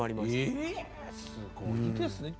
えすごいですね。